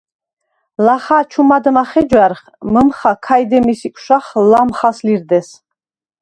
ლახა ჩუ მადმა ხეჯვა̈რხ, მჷმხა ქაჲ დემის იკვშახ ლამხას ლირდეს.